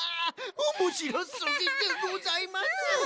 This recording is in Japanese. おもしろすぎでございます！